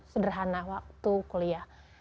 sederhana waktu kuliah